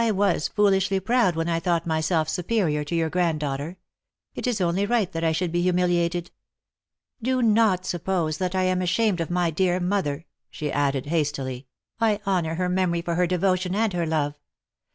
T was foolishly proud when I thought myself supe rior to youi granddaughter. It is only right that I should be humiliated. Do not suppose that I am ashamed of my dear mother," she added hastily; " I honour her memory for her devotion and her love.